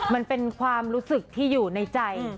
มันเป็นความรู้สึกที่อยู่ในใจ